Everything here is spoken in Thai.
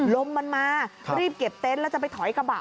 ลมมันมารีบเก็บเต็นต์แล้วจะไปถอยกระบะ